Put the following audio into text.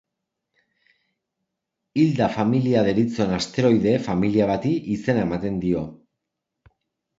Hilda familia deritzon asteroide familia bati izena ematen dio.